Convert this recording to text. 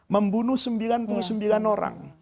membunuh sembilan puluh sembilan orang